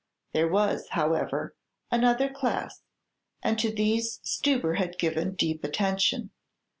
There was, however, another class, and to these Stubber had given deep attention.